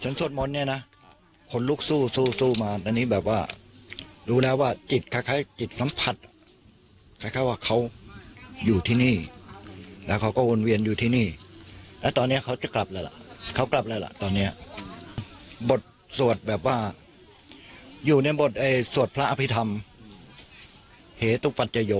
สวดมนต์เนี่ยนะคนลุกสู้สู้มาตอนนี้แบบว่ารู้แล้วว่าจิตคล้ายจิตสัมผัสคล้ายว่าเขาอยู่ที่นี่แล้วเขาก็วนเวียนอยู่ที่นี่แล้วตอนนี้เขาจะกลับแล้วล่ะเขากลับแล้วล่ะตอนเนี้ยบทสวดแบบว่าอยู่ในบทสวดพระอภิษฐรรมเหตุปัจโย